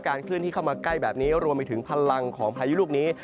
เคลื่อนที่เข้ามาใกล้แบบนี้รวมไปถึงพลังของพายุลูกนี้